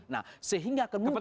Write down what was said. nah sehingga akan muncul nanti